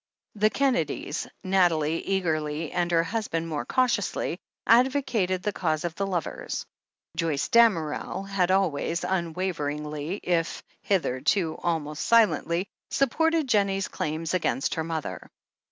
The Kennedys, Nathalie eagerly and her husband more cautiously, advocated the cause of the lovers. Joyce Damerel had always, tmwaveringly, if hitherto almost silently, supported Jennie's daims against her mother.